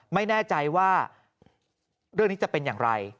ไม่แน่ใจว่าเรื่องนี้จะเป็นอย่างไร